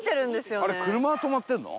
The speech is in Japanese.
あれ車が止まってるの？